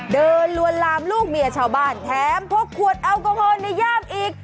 เดินลวนลามลูกเมียชาวบ้านแถมพกขวดอัลโกโฮนในย่ามอีก